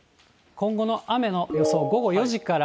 今後の雨の予想、午後４時から。